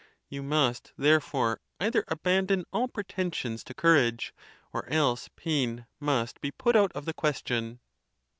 You must therefore either abandon all pretensions to cour age, or else pain must be put out of the question.